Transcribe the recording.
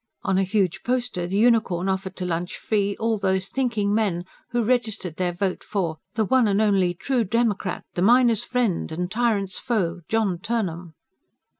On a huge poster the "Unicorn" offered to lunch free all those "thinking men" who registered their vote for "the one and only true democrat, the miners' friend and tyrants' foe, John Turnham."